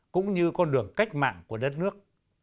cũng như con đường cách mạng của đất nước